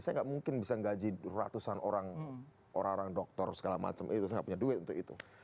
saya nggak mungkin bisa gaji ratusan orang orang doktor segala macam itu saya nggak punya duit untuk itu